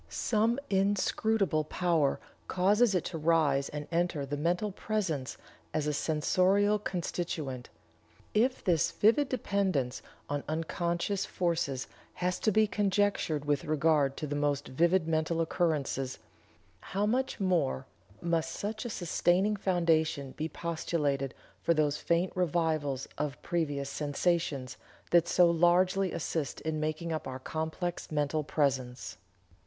Some inscrutable power causes it to rise and enter the mental presence as a sensorial constituent. If this vivid dependence on unconscious forces has to be conjectured with regard to the most vivid mental occurrences, how much more must such a sustaining foundation be postulated for those faint revivals of previous sensations that so largely assist in making up our complex mental presence!"